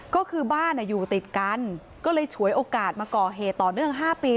ก็คือบ้านอยู่ติดกันก็เลยฉวยโอกาสมาก่อเหตุต่อเนื่อง๕ปี